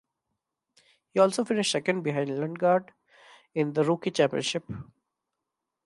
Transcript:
He also finished second behind Lundgaard in the rookie championship.